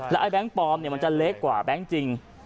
ไอ้แบงค์ปลอมมันจะเล็กกว่าแบงค์จริง